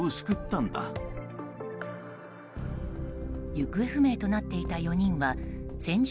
行方不明となっていた４人は先住